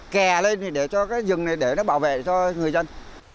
thì bà lên thì để cho cái rừng này để nó bảo vệ cho người dân